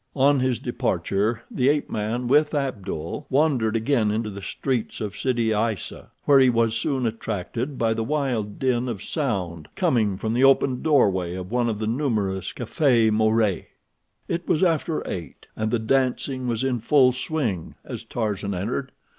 On his departure the ape man, with Abdul, wandered again into the streets of Sidi Aissa, where he was soon attracted by the wild din of sound coming from the open doorway of one of the numerous cafés maures. It was after eight, and the dancing was in full swing as Tarzan entered.